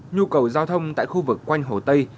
nhu cầu giao thông tại khu vực quanh hồ tây